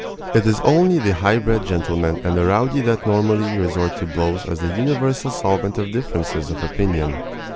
It is only the high bred gentleman and the rowdy that normally resort to blows as the universal solvent of differences of opinion.